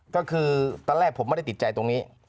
ก็คือตอนแรกผมไม่ได้ติดใจตรงนี้